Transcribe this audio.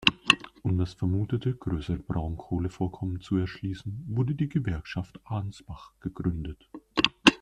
Um das vermutete größere Braunkohlevorkommen zu erschließen, wurde die "Gewerkschaft Arnsbach" gegründet.